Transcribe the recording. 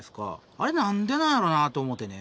あれ何でなんやろなと思てね。